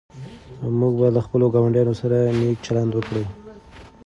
موږ باید له خپلو ګاونډیانو سره نېک چلند وکړو.